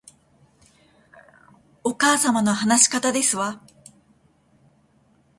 お母様の話し方ですわ